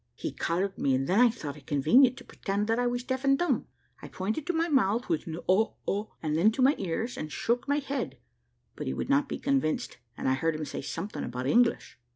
He collared me, and then I thought it convenient to pretend that I was deaf and dumb. I pointed to my mouth with an Au au and then to my ears, and shook my head; but he would not be convinced, and I heard him say something about English.